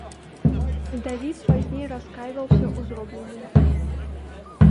Давід пазней раскайваўся ў зробленым.